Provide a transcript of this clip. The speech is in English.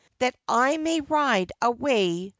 That I may ride away, &c.